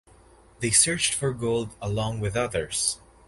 They searched for gold along with others.